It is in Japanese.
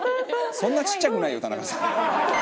「そんなちっちゃくないよ田中さん」